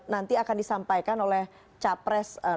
nanti akan disampaikan oleh capres